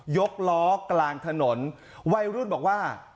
กล้อกลางถนนวัยรุ่นบอกว่า